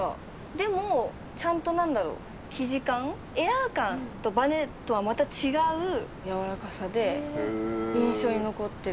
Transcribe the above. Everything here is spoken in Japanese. でもちゃんとなんだろう生地感エアー感とバネとはまた違うやわらかさで印象に残ってる。